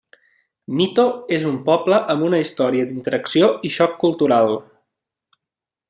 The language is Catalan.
Mito és un poble amb una història d'interacció i xoc cultural.